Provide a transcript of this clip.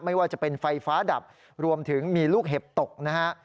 ไม่ว่าจะเป็นไฟฟ้าดับรวมถึงมีลูกเห็บตกนะฮะ